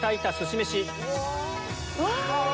うわ！